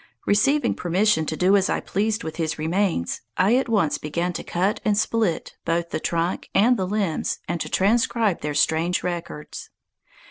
Receiving permission to do as I pleased with his remains, I at once began to cut and split both the trunk and the limbs and to transcribe their strange records.